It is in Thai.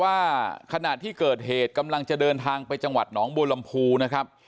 ว่าขณะที่เกิดเหตุกำลังจะเดินทางไปจังหวัดหนองบัวลำพูนะครับ